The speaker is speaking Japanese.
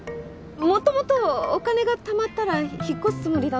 もともとお金がたまったら引っ越すつもりだったんで。